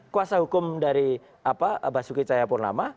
kuasa hukum dari basuki cahayapurnama